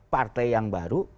partai yang baru